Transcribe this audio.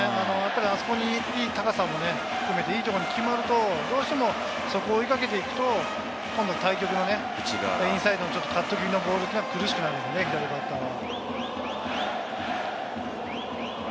あそこにいい高さ含めて、いいところに決まると、どうしてもそこを追いかけていくと、今度は対極のインサイド、カット気味のボールが苦しくなる、左バッターは。